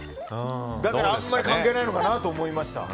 だから、あんまり関係ないのかなと思いました。